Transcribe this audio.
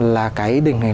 là cái đỉnh này